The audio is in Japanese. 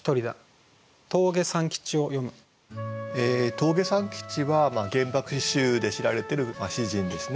峠三吉は「原爆詩集」で知られてる詩人ですね。